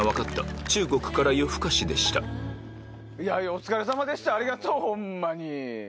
お疲れさまでしたありがとうホンマに。